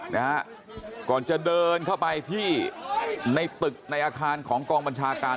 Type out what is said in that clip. นะฮะก่อนจะเดินเข้าไปที่ในตึกในอาคารของกองบัญชาการ